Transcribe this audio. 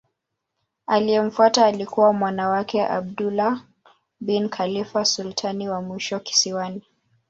Aliyemfuata alikuwa mwana wake Abdullah bin Khalifa sultani wa mwisho kisiwani.